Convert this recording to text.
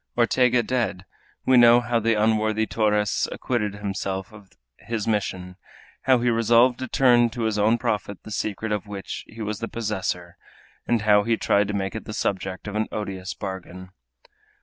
Ortega dead, we know how the unworthy Torres acquitted himself of his mission, how he resolved to turn to his own profit the secret of which he was the possessor, and how he tried to make it the subject of an odious bargain.